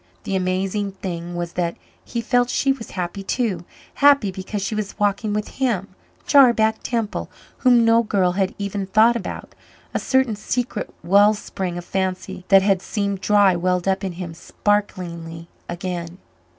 The amazing thing was that he felt she was happy too happy because she was walking with him, "Jarback" Temple, whom no girl had even thought about. A certain secret well spring of fancy that had seemed dry welled up in him sparklingly again.